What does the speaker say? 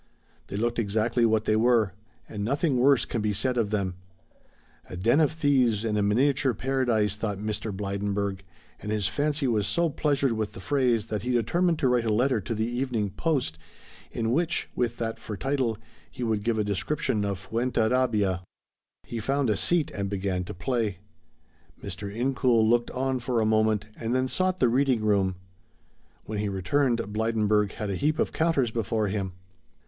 They looked exactly what they were, and nothing worse can be said of them. "A den of thieves in a miniature paradise," thought Mr. Blydenburg, and his fancy was so pleasured with the phrase that he determined to write a letter to the Evening Post, in which, with that for title, he would give a description of Fuenterrabia. He found a seat and began to play. Mr. Incoul looked on for a moment and then sought the reading room. When he returned Blydenburg had a heap of counters before him.